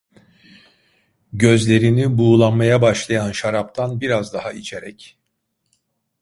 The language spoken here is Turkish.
Gözlerini buğulamaya başlayan şaraptan biraz daha içerek: